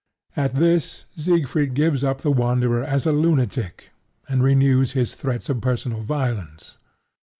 At this, Siegfried gives up the Wanderer as a lunatic, and renews his threats of personal violence.